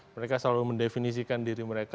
mereka selalu mendefinisikan diri mereka